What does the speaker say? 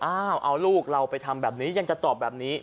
เอาลูกเราไปทำแบบนี้ยังจะตอบแบบนี้